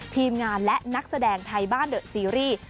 ทีมงานและนักแสดงไทยบ้านเดอะซีรีส์